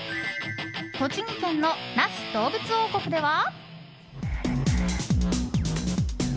栃木県の那須どうぶつ王国では。